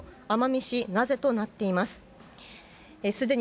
奄美市名瀬となっています。